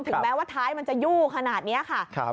แม้ว่าท้ายมันจะยู่ขนาดนี้ค่ะ